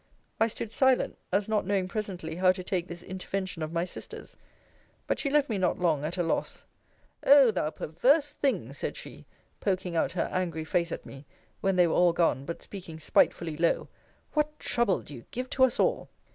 I stood silent, as not knowing presently how to take this intervention of my sister's. But she left me not long at a loss O thou perverse thing, said she [poking out her angry face at me, when they were all gone, but speaking spitefully low] what trouble do you give to us all!